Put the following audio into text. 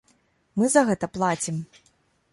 Мы за гэта плацім.